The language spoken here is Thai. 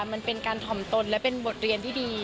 มันเป็นการถ่อมตนและเป็นบทเรียนที่ดี